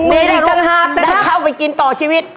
มาให้เข้าไปกินต่อชีวิต